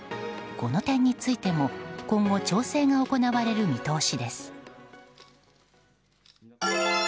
この点についても今後、調整が行われる見通しです。